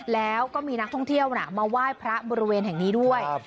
แล้วก็มีนักท่องเที่ยวมาไหว้พระบริเวณแห่งนี้ด้วย